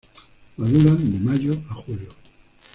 Maduran de mayo a julio.